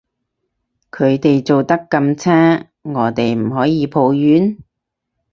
佢哋做得咁差，我哋唔可以抱怨？